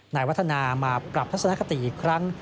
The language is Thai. นายวัฒนามาปรับทัศนคติอีกครั้ง